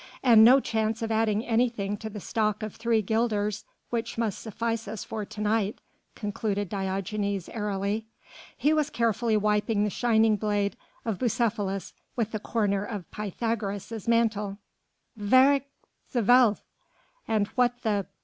"And no chance of adding anything to the stock of three guilders which must suffice us for to night," concluded Diogenes airily. He was carefully wiping the shining blade of Bucephalus with the corner of Pythagoras' mantle. "Verrek jezelf! and what the d l?"